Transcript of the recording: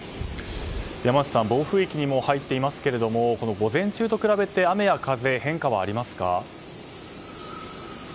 山内さん、暴風域に入っていますけど午前中と比べて雨や風に変化はありますか？